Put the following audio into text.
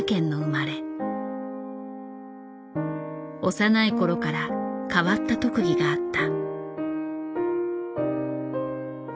幼い頃から変わった特技があった。